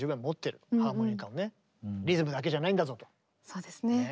そうですね。